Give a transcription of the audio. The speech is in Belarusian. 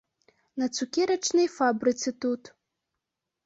На цукерачнай фабрыцы тут.